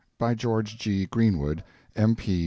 By George G. Greenwood, M.P.